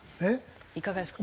いかがですか？